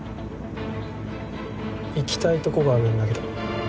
行きたいとこがあるんだけど。